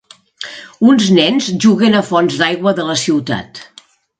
Uns nens juguen a fonts d'aigua de la ciutat.